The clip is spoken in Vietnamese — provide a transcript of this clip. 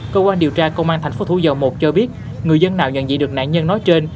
cơ quan điều tra công an tp thủ dầu một cho biết người dân nào nhận dị được nạn nhân nói trên